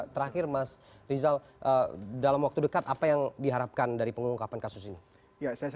terakhir mas rizal dalam waktu dekat apa yang diharapkan dari pengungkapan kasus ini